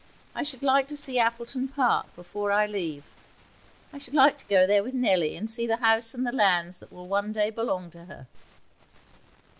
I should like to see Appleton Park before I leave. I should like to go there with Nellie and see the house and the lands that will one day belong to her.'